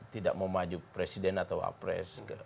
tidak mau maju presiden atau apres